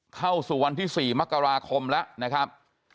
เข้าสู่วันที่๔มกราคมแล้วนะครับ